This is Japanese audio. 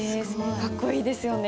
かっこいいですよね。